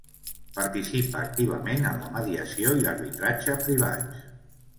Participa activament en la mediació i l'arbitratge privats.